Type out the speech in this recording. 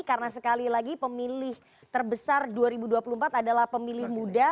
karena sekali lagi pemilih terbesar dua ribu dua puluh empat adalah pemilih muda